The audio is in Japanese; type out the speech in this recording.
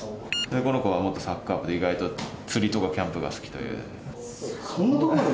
この子は元サッカー部で意外と釣りとかキャンプが好きという。